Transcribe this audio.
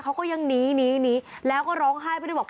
เขาก็ยังหนีหนีแล้วก็ร้องไห้ไปด้วยบอก